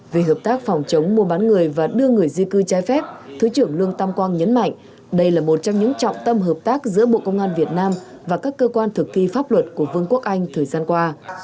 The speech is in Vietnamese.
về hợp tác phòng chống mua bán người và đưa người di cư trái phép thứ trưởng lương tam quang nhấn mạnh đây là một trong những trọng tâm hợp tác giữa bộ công an việt nam và các cơ quan thực thi pháp luật của vương quốc anh thời gian qua